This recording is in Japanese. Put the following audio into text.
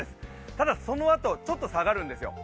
ただそのあと、ちょっと下がるんですよ。